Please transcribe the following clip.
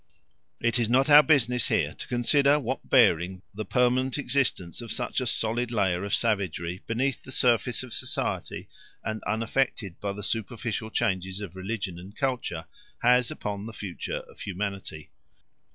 It is not our business here to consider what bearing the permanent existence of such a solid layer of savagery beneath the surface of society, and unaffected by the superficial changes of religion and culture, has upon the future of humanity.